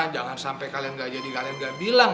jangan sampai kalian gak jadi kalian gak bilang